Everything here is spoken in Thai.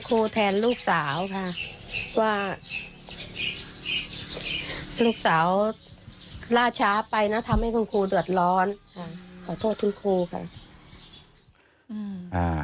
ขอโทษคุณครูค่ะ